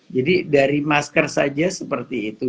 jadi dari masker saja seperti itu